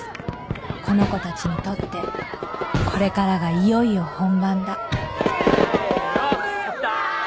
この子たちにとってこれからがいよいよ本番だせの。